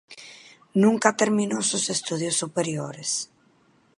Nunca terminó sus estudios superiores.